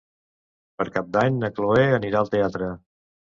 Per Cap d'Any na Cloè anirà al teatre.